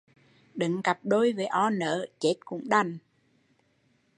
Được cặp đôi với o nớ, chết cũng đành